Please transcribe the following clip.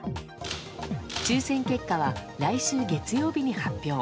抽選結果は来週月曜日に発表。